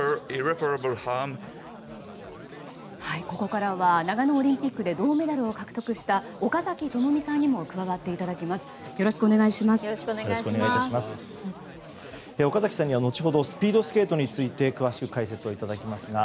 ここからは長野オリンピックで銅メダルを獲得した岡崎朋美さんにも加わっていただきます。